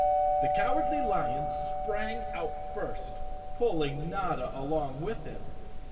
The Cowardly Lion sprang out first, pulling Notta along with him.